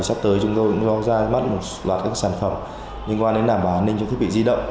sắp tới chúng tôi cũng ra mắt một loạt các sản phẩm liên quan đến đảm bảo an ninh cho thiết bị di động